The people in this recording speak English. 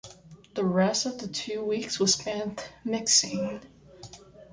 The rest of the two weeks was spent mixing.